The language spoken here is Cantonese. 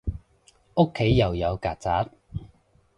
屋企又有曱甴